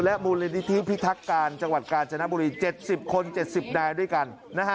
มูลนิธิพิทักการจังหวัดกาญจนบุรี๗๐คน๗๐นายด้วยกัน